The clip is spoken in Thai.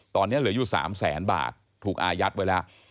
ตอนนี้เหลืออยู่๓แสนบาทถูกอายัดไว้แล้ว